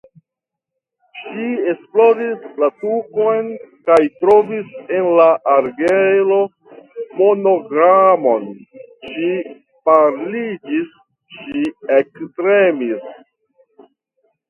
Ŝi esploris la tukon kaj trovis en la angulo monogramon; ŝi paliĝis, ŝi ektremis.